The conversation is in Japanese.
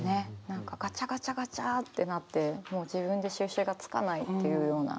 何かがちゃがちゃがちゃってなってもう自分で収拾がつかないっていうような。